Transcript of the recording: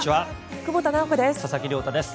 久保田直子です。